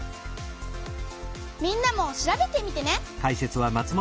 みんなも調べてみてね！